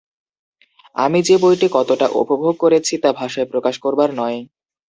আমি যে বইটি কতটা উপভোগ করেছি, তা ভাষায় প্রকাশ করবার নয়।